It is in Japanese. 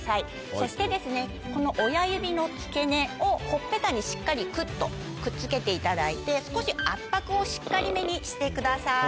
そしてこの親指の付け根をほっぺたにしっかりくっとくっつけていただいて少し圧迫をしっかりめにしてください。